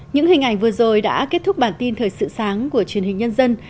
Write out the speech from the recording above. những hình ảnh vừa rồi đã kết thúc bản tin thời sự sáng của truyền hình nhân dân